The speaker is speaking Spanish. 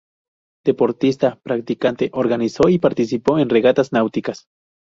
Deportista practicante, organizó y participó en regatas náuticas.